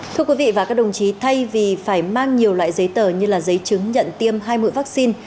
thưa quý vị và các đồng chí thay vì phải mang nhiều loại giấy tờ như giấy chứng nhận tiêm hai mũi vaccine